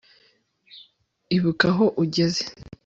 ibuka aho ugeze